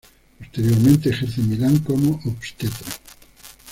Posteriormente ejerce en Milán como obstetra.